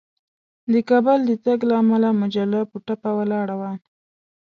د کابل د تګ له امله مجله په ټپه ولاړه وه.